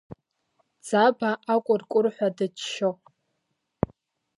Ӡаба акәыркәырҳәа дыччо.